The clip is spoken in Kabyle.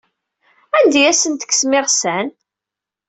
Anda ay asen-tekksem iɣsan?